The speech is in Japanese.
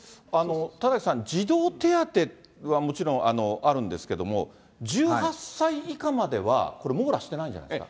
田崎さん、児童手当はもちろんあるんですけれども、１８歳以下まではこれ、網羅してないんじゃないですか。